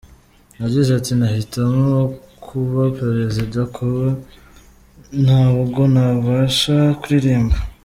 Yagize ati “Nahitamo kuba Perezida kuko ntabwo nabasha kuririmba.